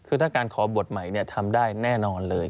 คือถ้าการขอบทใหม่ทำได้แน่นอนเลย